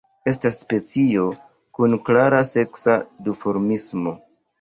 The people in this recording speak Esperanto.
Estas specio kun klara seksa duformismo.